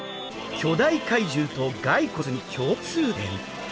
巨大怪獣とがい骨に共通点？